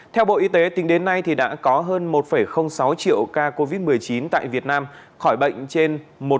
theo bộ y tế tính đến nay đã có hơn một sáu triệu ca covid một mươi chín tại việt nam khỏi bệnh trên một bốn trăm năm mươi ba